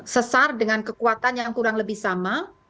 sesar dengan kekuatan yang kurang lebih sama